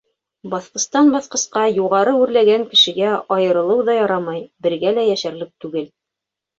Баҫҡыстан- баҫҡысҡа юғары үрләгән кешегә айырылыу ҙа ярамай, бергә лә йәшәрлек түгел.